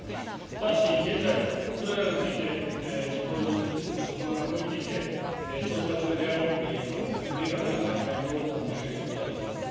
ただし、現在、それらについて、実行の確認について調査中であり、今はですね、明確な回答を申し上げることはできません。